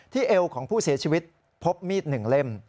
เอวของผู้เสียชีวิตพบมีด๑เล่ม